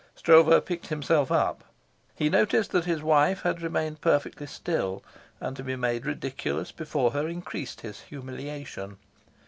Stroeve picked himself up. He noticed that his wife had remained perfectly still, and to be made ridiculous before her increased his humiliation.